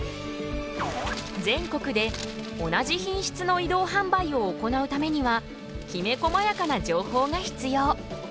全国で同じ品質の移動販売を行うためにはきめこまやかな情報が必要。